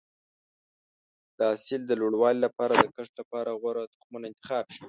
د حاصل د لوړوالي لپاره د کښت لپاره غوره تخمونه انتخاب شي.